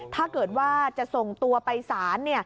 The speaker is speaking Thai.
ถ้าเกิดว่าจะส่งตัวไปศาล